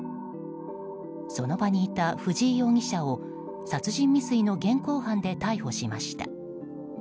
その場にいた藤井容疑者を殺人未遂の現行犯で逮捕しました。